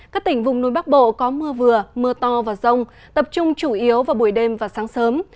các tỉnh vùng núi bắc bộ có mưa vừa mưa to và rông tập trung chủ yếu vào buổi đêm và sáng sớm